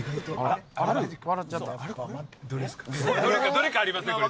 どれかありますねこれ。